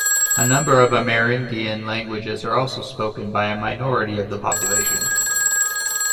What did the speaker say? A number of Amerindian languages are also spoken by a minority of the population.